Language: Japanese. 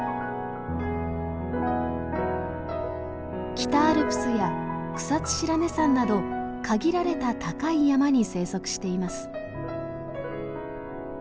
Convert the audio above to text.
北アルプスや草津白根山など限られた高い山に生息しています。